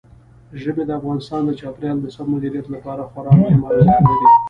ژبې د افغانستان د چاپیریال د سم مدیریت لپاره خورا مهم ارزښت لري.